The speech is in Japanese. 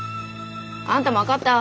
あんたも分かった？